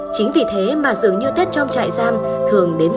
chính vì thế mà dường như tết trong trại giam thường đến sớm hơn